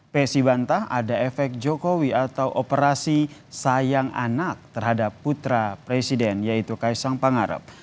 psi bantah ada efek jokowi atau operasi sayang anak terhadap putra presiden yaitu kaisang pangarep